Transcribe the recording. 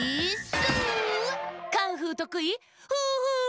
カンフーとくい。